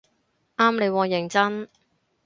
啱你喎認真